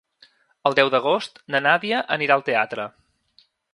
El deu d'agost na Nàdia anirà al teatre.